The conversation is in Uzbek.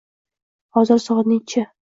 Hozir soat nechi?